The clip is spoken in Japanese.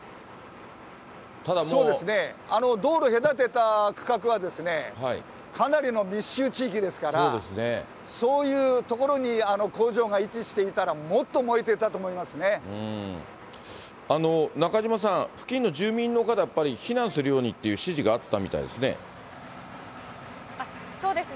あの道路隔てた区画はかなりの密集地域ですから、そういう所に工場が位置していたら、中島さん、付近の住民の方、やっぱり避難するようにっていう指示があったみたいですね。